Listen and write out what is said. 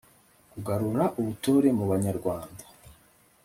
kugarura ubutore mu banyarwanda